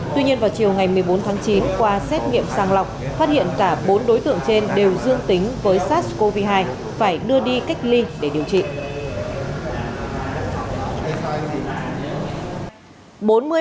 tuy nhiên vào chiều ngày một mươi bốn tháng chín qua xét nghiệm sàng lọc phát hiện cả bốn đối tượng trên đều dương tính với sars cov hai phải đưa đi cách ly để điều trị